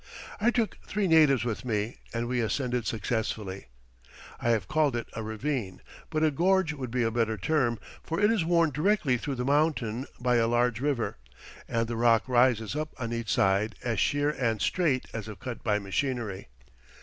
I took three natives with me, and we ascended successfully. I have called it a ravine, but a gorge would be a better term, for it is worn directly through the mountain by a large river, and the rock rises up on each side, as sheer and straight as if cut by machinery.